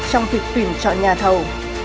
trong việc tìm chọn nhà thầu